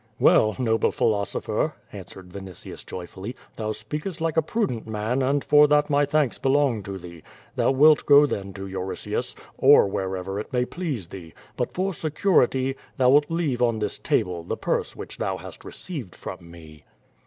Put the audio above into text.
"Well, noble philosopher," answered Vinitius Joyfidly, "thou speakest like a prudent man and for that my thanks belong to thee. Thou wilt go then to Euritius, or wherever it may please thee, but for security, thou wilt leave on this table the purse which thou hast received from me."